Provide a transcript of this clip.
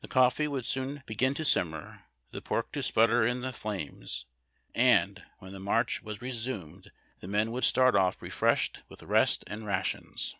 The coffee would soon begin to simmer, the pork to sputter in the flames, and, when the march was resumed^ the men would start off refreshed with rest and rations.